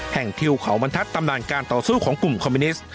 ทิวเขาบรรทัศน์ตำนานการต่อสู้ของกลุ่มคอมมิวนิสต์